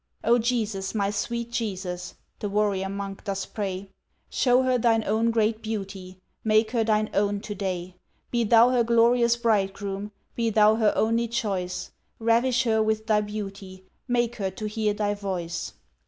"O Jesus! my sweet Jesus!" The warrior monk doth pray, "Shew her Thine Own great Beauty, Make her Thine Own to day; Be Thou her glorious Bridegroom, Be Thou her only Choice, Ravish her with Thy Beauty, Make her to hear Thy voice."